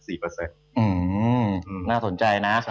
อืมน่าสนใจนะ